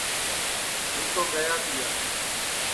ہوں تو گیا تیا